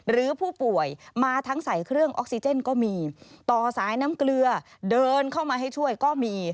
หรือผู้ป่วยมาทั้งใส่เครื่องออกซิเจนก็มีต่อสายน้ำเกลือเดินเข้ามาให้ช่วยก็มี